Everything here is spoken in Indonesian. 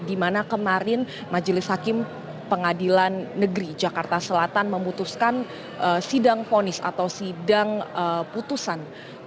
dimana kemarin majelis hakim pengadilan negeri jakarta selatan memutuskan sidang ponis atau sidang putusan